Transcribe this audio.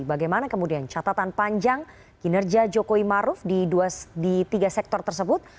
bagaimana kemudian catatan panjang kinerja jokowi maruf di tiga sektor tersebut